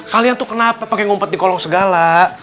kalian tuh kenapa pakai ngumpet di kolong segala